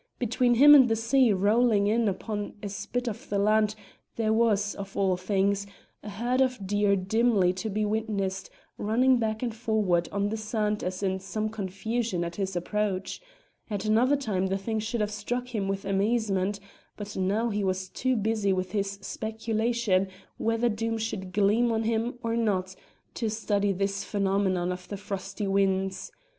Between him and the sea rolling in upon a spit of the land there was of all things! a herd of deer dimly to be witnessed running back and forward on the sand as in some confusion at his approach; at another time the thing should have struck him with amazement, but now he was too busy with his speculation whether Doom should gleam on him or not to study this phenomenon of the frosty winds.